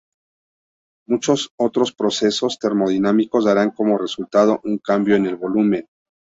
Muchos otros procesos termodinámicos darán como resultado un cambio en el volumen.